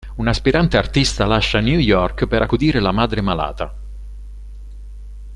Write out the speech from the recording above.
Un aspirante artista lascia New York per accudire la madre malata.